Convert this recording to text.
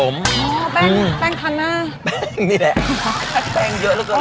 อ๋อมายกราย